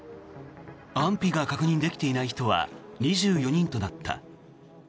安否が確認できていない人は２４人となった。